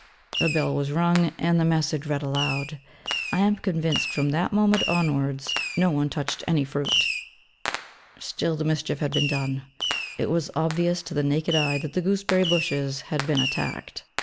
A bell was rung, and the message read aloud. I am convinced from that moment onwards no one touched any fruit: still the mischief had been done; it was obvious to the naked eye that the gooseberry bushes had been attacked.